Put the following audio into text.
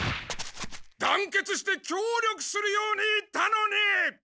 団結して協力するように言ったのに！